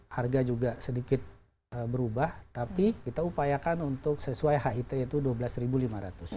harga juga sedikit berubah tapi kita upayakan untuk sesuai hit itu rp dua belas lima ratus